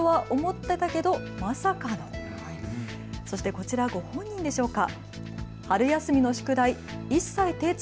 こちら、ご本人でしょうか。